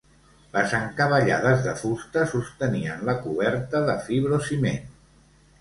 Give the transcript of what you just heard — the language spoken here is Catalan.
Les encavallades de fusta sostenien la coberta de fibrociment.